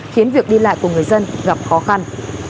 khiến việc đi lại của người dân gặp khó khăn